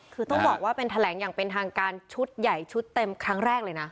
คือต้องบอกว่าเป็นแถลงอย่างเป็นทางการชุดใหญ่ชุดเต็มครั้งแรกเลยนะ